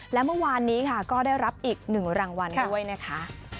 และเมื่อวานนี้ค่ะก็ได้รับอีก๑รางวัลด้วยนะคะ